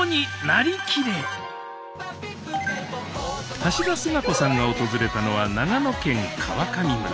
橋田壽賀子さんが訪れたのは長野県川上村。